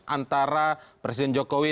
antara presiden jokowi